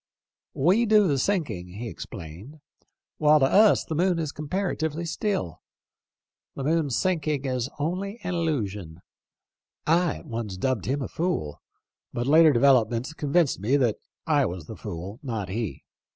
' We do the sinking,' he explained ;' while to us the moon is comparatively still. The moon's sinking is only an illusion.' I at once dubbed him a fool, but later developments convinced me that I was the fool, not he.